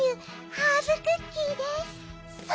ハーブクッキーです。